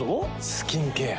スキンケア。